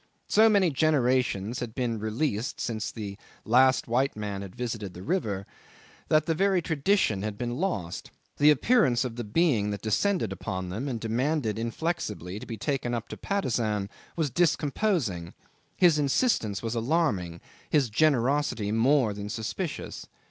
So many generations had been released since the last white man had visited the river that the very tradition had been lost. The appearance of the being that descended upon them and demanded inflexibly to be taken up to Patusan was discomposing; his insistence was alarming; his generosity more than suspicious.